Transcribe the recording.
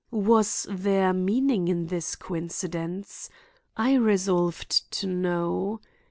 Was there meaning in this coincidence? I resolved to know.